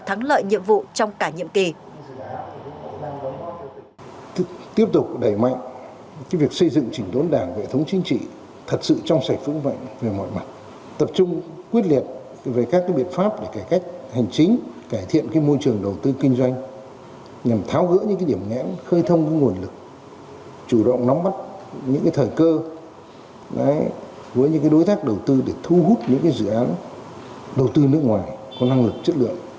tập trung đấu hoàn thành thắng lợi nhiệm vụ trong cả nhiệm kỳ